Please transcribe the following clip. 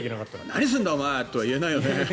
何すんだよ！とは言えないよね。